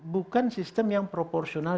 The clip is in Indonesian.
bukan sistem yang proporsional